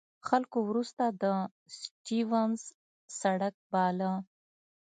خلکو وروسته د سټیونز سړک باله.